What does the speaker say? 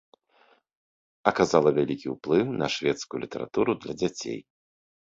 Аказала вялікі ўплыў на шведскую літаратуру для дзяцей.